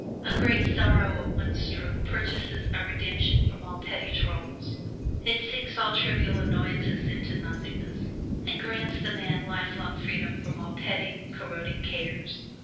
A great sorrow at one stroke purchases a redemption from all petty troubles; it sinks all trivial annoyances into nothingness, and grants the man lifelong freedom from all petty, corroding cares.